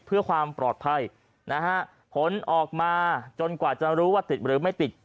เพื่อความปลอดภัยนะฮะผลออกมาจนกว่าจะรู้ว่าติดหรือไม่ติด